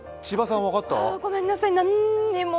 ごめんなさい、何も。